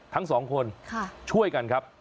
ทั้งสองคนช่วยกันครับ